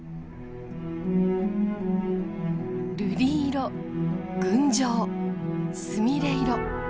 瑠璃色群青すみれ色。